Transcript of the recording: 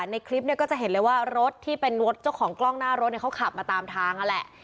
ในคลิปเนี่ยก็จะเห็นเลยว่ารถที่เป็นรถเจ้าของกล้องหน้ารถเนี่ยเขาขับมาตามทางนั่นแหละ